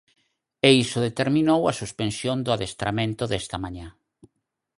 E iso determinou a suspensión do adestramento desta mañá.